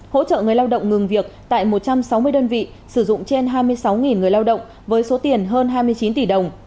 hỗ trợ người lao động ngừng việc tại một trăm sáu mươi đơn vị sử dụng trên hai mươi sáu người lao động với số tiền hơn hai mươi chín tỷ đồng